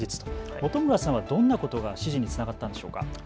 本村さんはどんなことが支持につながったんでしょうか。